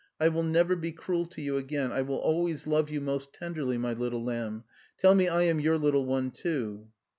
I will never be cruel to you again; I will always love you most tenderly, my little lamb. Tell me I am your little one too."